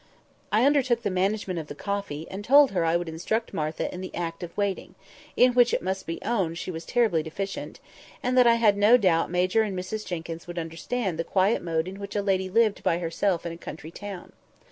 I undertook the management of the coffee, and told her I would instruct Martha in the art of waiting—in which it must be owned she was terribly deficient—and that I had no doubt Major and Mrs Jenkyns would understand the quiet mode in which a lady lived by herself in a country town.